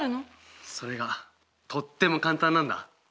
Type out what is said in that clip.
それがとっても簡単なんだ。